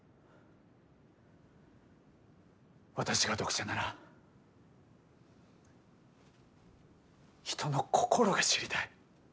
私が読者なら「人の心」が知りたい。